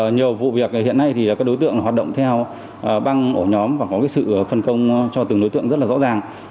nhiều vụ việc hiện nay thì các đối tượng hoạt động theo băng ổ nhóm và có sự phân công cho từng đối tượng rất là rõ ràng